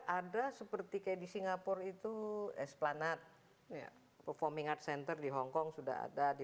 ada seperti kayak di singapura itu esplanet performing art center di hongkong sudah ada di